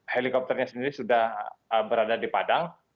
helikopternya sendiri sudah berada di padang